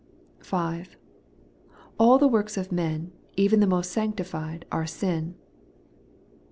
5. All the works of men, even the most sancti fied, are sin.